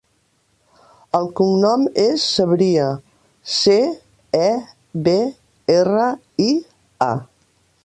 El cognom és Cebria: ce, e, be, erra, i, a.